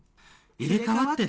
「入れ替わってる！？」